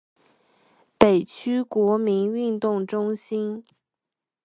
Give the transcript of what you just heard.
北区国民运动中心